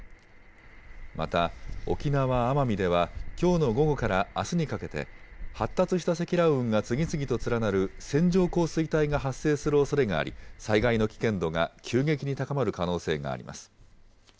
また、沖縄・奄美ではきょうの午後からあすにかけて、発達した積乱雲が次々と連なる線状降水帯が発生するおそれがあり、災害の危険度が急激に高まる可能性があります。